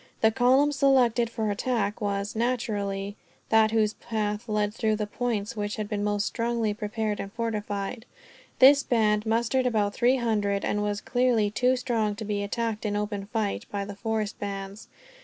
The column selected for attack was, naturally, that whose path led through the points which had been most strongly prepared and fortified. This band mustered about three hundred; and was clearly too strong to be attacked, in open fight, by the forest bands.